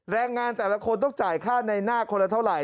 แรงงานแต่ละคนต้องจ่ายค่าในหน้าคนละเท่าไห